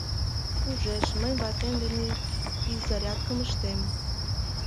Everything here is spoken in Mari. Ужеш, мый ватем дене физзарядкым ыштем.